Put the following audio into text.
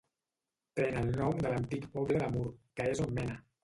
Pren el nom de l'antic poble de Mur, que és on mena.